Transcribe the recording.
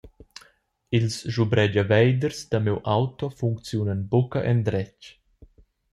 Ils schubregiaveiders da miu auto funcziunan buca endretg.